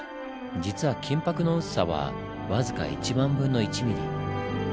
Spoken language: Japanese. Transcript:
実は金箔の薄さは僅か１万分の１ミリ。